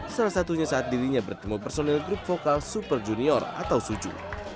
salah satunya saat dirinya bertemu personil grup vokal super junior atau suju